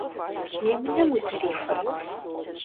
Емынэм узэрихуэрэт?